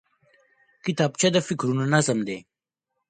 کتابچه د فکرونو نظم دی